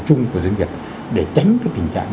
chung của doanh nghiệp để tránh cái tình trạng